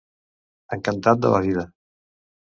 Encantat de la vida.